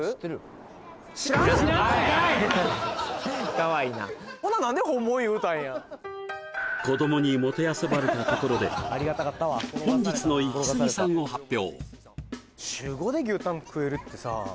かわいいな子供にもてあそばれたところで本日のイキスギさんを発表